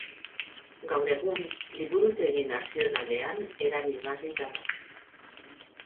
Gaur egun Liburutegi Nazionalean erabilgarri dago.